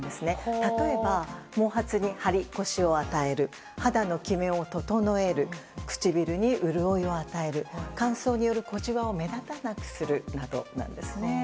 例えば毛髪にハリ、コシを与える肌のキメを整える唇に潤いを与える乾燥による小ジワを目立たなくするなどなんですね。